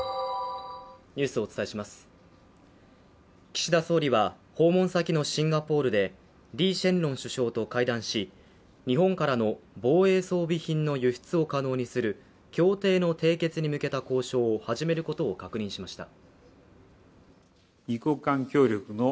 岸田総理は訪問先のシンガポールで、リー・シェンロン首相と会談し日本からの防衛装備品の輸出を可能にする協定の締結に向けた交渉を始めることを確認しました。